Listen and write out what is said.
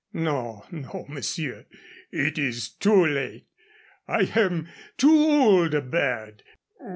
"No, no, monsieur. It is too late. I am too old a bird.